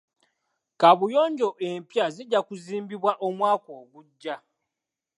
Kaabuyonjo empya zijja kuzimbibwa omwaka ogujja.